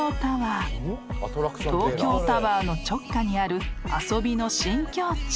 ［東京タワーの直下にある遊びの新境地］